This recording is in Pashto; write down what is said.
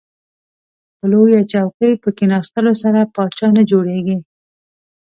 په لویه چوکۍ په کیناستلو سره پاچا نه جوړیږئ.